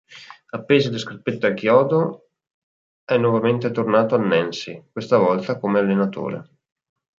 Appese le scarpette al chiodo è nuovamente tornato al Nancy, questa volta come allenatore.